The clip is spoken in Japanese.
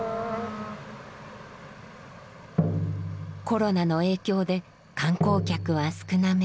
コロナの影響で観光客は少なめ。